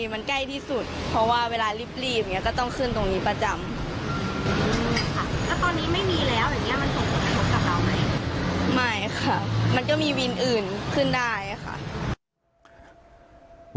ไม่ค่ะมันก็มีวินอื่นขึ้นได้ค่ะ